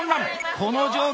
この状況